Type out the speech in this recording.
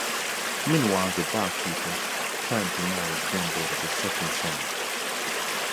Meanwhile, the barkeeper planned to marry his granddaughter to Salkinsohn.